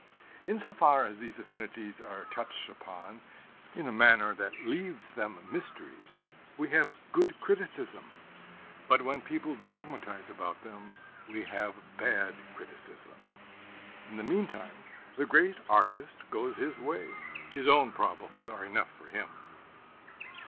In so far as these affinities are touched upon in a manner that leaves them mysteries, we have good criticism; but when people dogmatize about them, we have bad criticism. In the meantime the great artist goes his way. His own problems are enough for him.